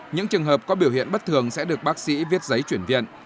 những trường hợp có biểu hiện bất thường sẽ được bác sĩ viết giấy chuyển viện